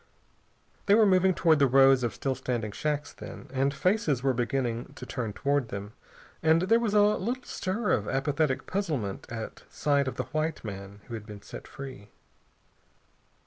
They were moving toward the rows of still standing shacks, then, and faces were beginning to turn toward them, and there was a little stir of apathetic puzzlement at sight of the white man who had been set free.